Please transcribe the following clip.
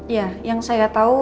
ya yang saya tahu